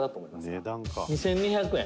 水田：「２２００円」